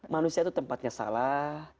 manusia itu tempatnya salah